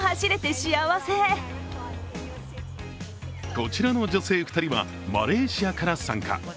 こちらの女性２人は、マレーシアから参加。